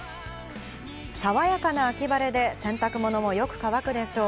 爽やかな秋晴れで洗濯物もよく乾くでしょう。